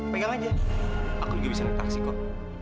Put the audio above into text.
pegang aja aku juga bisa naik taksi kok